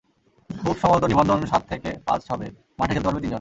খুব সম্ভবত নিবন্ধন সাত থেকে পাঁচ হবে, মাঠে খেলতে পারবে তিনজন।